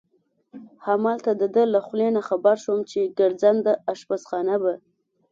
همالته د ده له خولې نه خبر شوم چې ګرځنده اشپزخانه به.